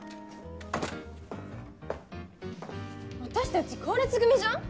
私たち後列組じゃん！